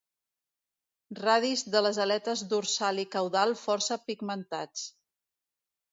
Radis de les aletes dorsal i caudal força pigmentats.